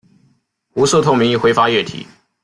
无色透明易挥发液体。